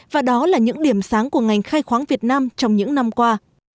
đây là những điểm sáng của ngành khai khoáng việt nam trong những năm qua